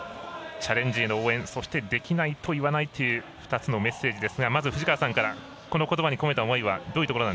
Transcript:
チャレンジへの応援そして「できないといわない！！」という２つのメッセージですがまず藤川さんからこのことばに込めた思いは？